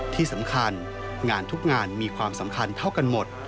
ที่สำคัญงานทุกงานมีความสำคัญเท่ากันหมด